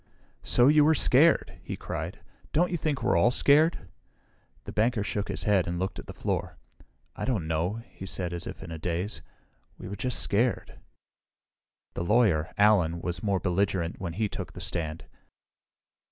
"So you were scared?" he cried. "Don't you think we're all scared?" The banker shook his head and looked at the floor. "I don't know," he said, as if in a daze. "We were just scared." The lawyer, Allen, was more belligerent when he took the stand.